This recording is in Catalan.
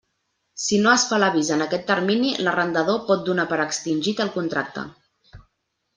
Si no es fa l'avís en aquest termini, l'arrendador pot donar per extingit el contracte.